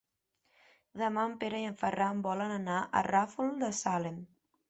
Demà en Pere i en Ferran volen anar al Ràfol de Salem.